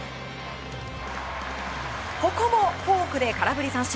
ここもフォークで空振り三振。